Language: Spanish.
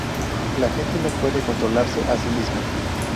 La gente no puede controlarse a sí misma".